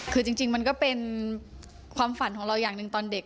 คือจริงมันก็เป็นความฝันของเราอย่างหนึ่งตอนเด็ก